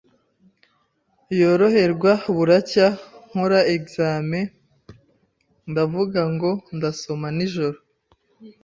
yoroherwa buracya nkora examen, ndavuga ngo ndasoma nijoro,